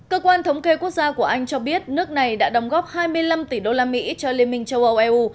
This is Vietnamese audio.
cơ quan thống kê quốc gia của anh cho biết nước này đã đồng góp hai mươi năm tỷ usd cho liên minh châu âu